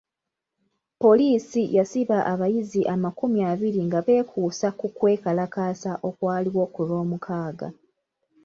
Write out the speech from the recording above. Poliisi yasiba abayizi amakumi abiri nga beekuusa ku kwe kalakaasa okwaliwo ku lwomukaaga.